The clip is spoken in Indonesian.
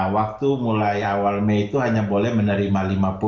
waktu mulai awal mei itu hanya boleh menerima lima puluh